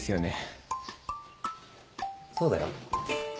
そうだよ。